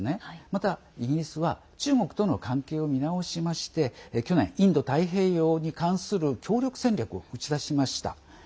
またイギリスは中国との関係を見直しまして去年、インド太平洋に関する協力戦略を打ち出しました。